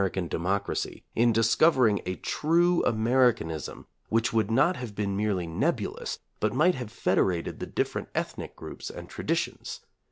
can democracy, in discovering a true Americanism which would not have been merely nebulous but might have federated the different ethnic groups and traditions.